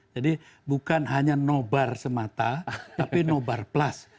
jadi bukan hanya nobar semata tapi nobar plus